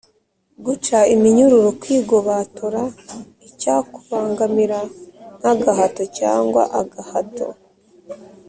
guca iminyururu: kwigobatora icyakubangamira, nk’agahato cyangwa agahato